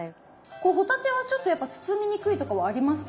これ帆立てはちょっとやっぱ包みにくいとかはありますか？